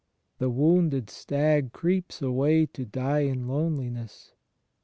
The wounded stag creeps away to die in loneliness.